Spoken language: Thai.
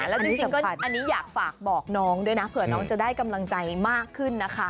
แล้วจริงก็อันนี้อยากฝากบอกน้องด้วยนะเผื่อน้องจะได้กำลังใจมากขึ้นนะคะ